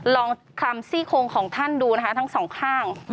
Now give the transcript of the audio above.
ลองคำซี่โครงของท่านดูนะคะทั้งสองข้าง